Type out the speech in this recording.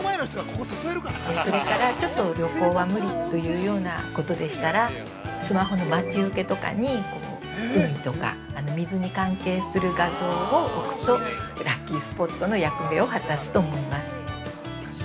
それから、ちょっと、旅行は無理っていうようなことでしたら、スマホの待ち受けとかに、海とか水に関係する画像を置くと、ラッキースポットの役目を果たすと思います。